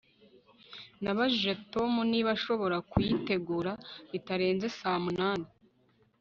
Nabajije Tom niba ashobora kuyitegura bitarenze saa munani